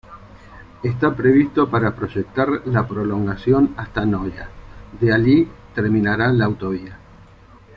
Esta previsto para proyectar la prolongación hasta Noia, de allí terminará la autovía.